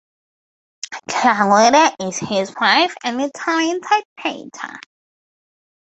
Claudia is his wife and a talented painter.